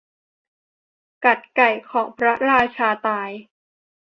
กัดไก่ของพระราชาตาย